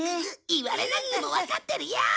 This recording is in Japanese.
言われなくてもわかってるよ！